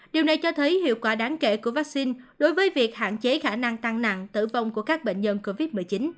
điều này cho thấy hiệu quả đáng kể của vaccine đối với việc hạn chế khả năng tăng nặng tử vong của các bệnh nhân covid một mươi chín